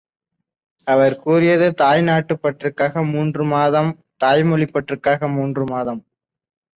அவர் கூறியது தாய் நாட்டுப் பற்றுக்காக மூன்று மாதம், தாய் மொழிப் பற்றுக்காக மூன்று மாதம்.